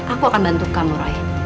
aku akan bantu kamu roy